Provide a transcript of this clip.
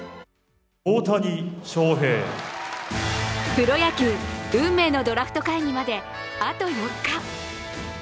プロ野球、運命のドラフト会議まであと４日。